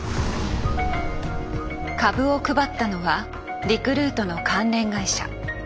株を配ったのはリクルートの関連会社。